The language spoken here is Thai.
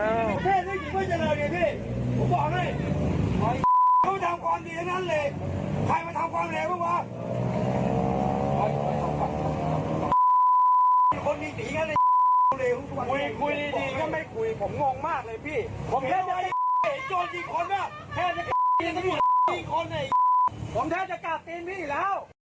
ไอ้มันก็มีหัวมีคนไอ้ผมแท้จะกลับเตียงพี่อีกแล้ว